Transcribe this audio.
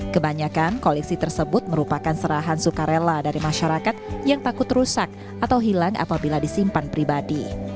kebanyakan koleksi tersebut merupakan serahan sukarela dari masyarakat yang takut rusak atau hilang apabila disimpan pribadi